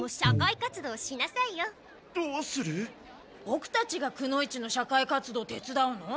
ボクたちがくの一の社会活動手つだうの？